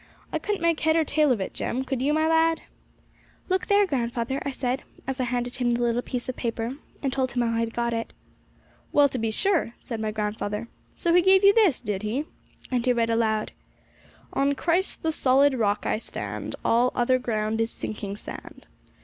'I couldn't make head or tail of it, Jem; could you, my lad?' 'Look there, grandfather,' I said, as I handed him the little piece of paper, and told him how I had got it. 'Well, to be sure!' said my grandfather 'So he gave you this, did he?' and he read aloud: 'On Christ, the solid Rock, I stand, All other ground is sinking sand.'